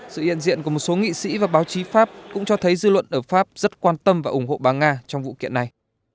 sự hiện diện của một số nghị sĩ và báo chí pháp cũng cho thấy dư luận ở pháp rất quan tâm và ủng hộ bà nga trong vụ kiện này